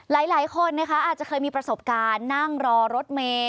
หลายคนนะคะอาจจะเคยมีประสบการณ์นั่งรอรถเมย์